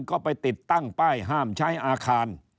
ก็ไปติดตั้งป้ายห้ามใช้อาคาร